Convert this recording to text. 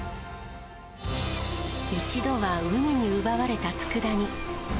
一度は海に奪われたつくだ煮。